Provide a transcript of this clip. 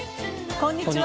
こんにちは。